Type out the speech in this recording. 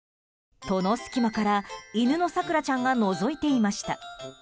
戸の隙間から犬のさくらちゃんがのぞいていました。